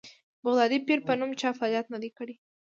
بغدادي پیر په نوم چا فعالیت نه دی کړی.